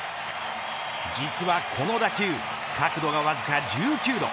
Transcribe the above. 実はこの打球角度がわずか１９度。